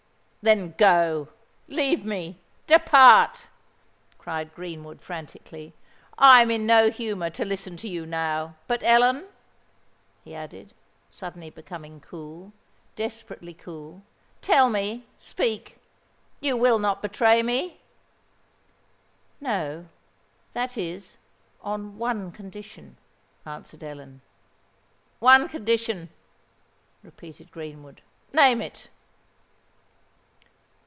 "Then, go—leave me—depart!" cried Greenwood, frantically. "I am in no humour to listen to you now! But, Ellen," he added, suddenly becoming cool—desperately cool:—"tell me—speak—you will not betray me?" "No—that is, on one condition," answered Ellen. "One condition!" repeated Greenwood: "name it!"